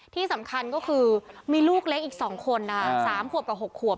ที่สำคัญก็คือมีลูกเล็กอีก๒คน๓ขวบกับ๖ขวบ